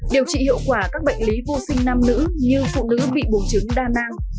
điều trị hiệu quả các bệnh lý vô sinh nam nữ như phụ nữ bị bùn chứng đa nang